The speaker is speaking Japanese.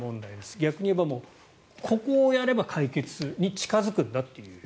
逆に言えばここをやれば解決する解決に近付くんだという。